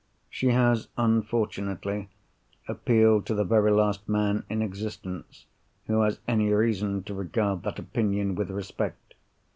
She has unfortunately appealed to the very last man in existence who has any reason to regard that opinion with respect.